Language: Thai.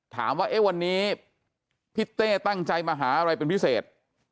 ถามว่าเอ๊ะวันนี้พี่เต้ตั้งใจมาหาอะไรเป็นพิเศษ